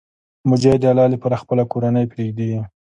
مجاهد د الله لپاره خپله کورنۍ پرېږدي.